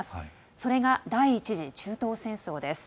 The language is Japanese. それが、第１次中東戦争です。